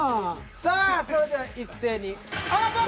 さあそれでは一斉にオープン。